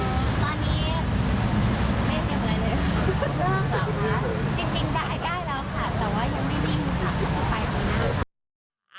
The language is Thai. จริงได้แล้วค่ะแต่ว่ายังไม่ดิ้งค่ะ